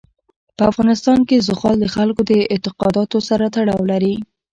په افغانستان کې زغال د خلکو د اعتقاداتو سره تړاو لري.